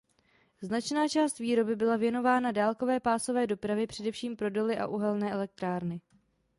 Značná část výroby byla věnována dálkové pásové dopravě především pro doly a uhelné elektrárny.